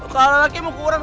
kalau lelaki mau kurang